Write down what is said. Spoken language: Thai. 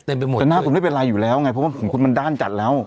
แต่หน้าคุณไม่เป็นไรอยู่แล้วไงเพราะว่าของคุณมันด้านจัดแล้ว